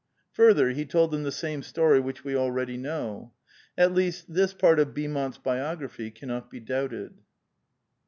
Further, he told them the same story which we already know. At least, this part of Beaumont's biography cannot be doubted.